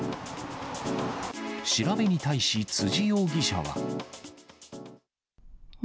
調べに対し、辻容疑者は。